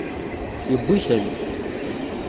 Yewwi-ten.